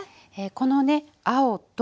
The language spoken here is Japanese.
このね青と。